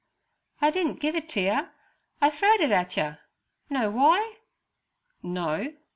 'I didn' give it ter yer; I throwed it at yer. Know w'y?' 'No.'